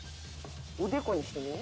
おでこにしてみ。